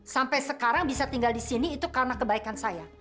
sampai sekarang bisa tinggal di sini itu karena kebaikan saya